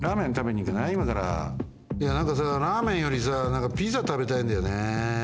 いやなんかさラーメンよりさなんかピザたべたいんだよね。